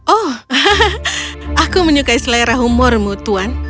oh aku menyukai selera humormu tuan